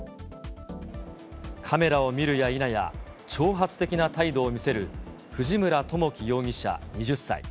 カメラを見るや否や、挑発的な態度を見せる藤村知樹容疑者２０歳。